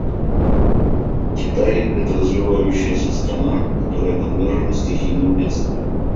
Китай — это развивающаяся страна, которая подвержена стихийным бедствиям.